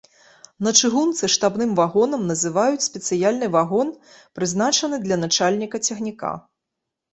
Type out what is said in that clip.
На чыгунцы штабным вагонам называюць спецыяльны вагон, прызначаны для начальніка цягніка.